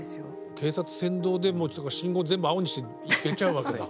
警察先導で信号全部青にして行けちゃうわけだ。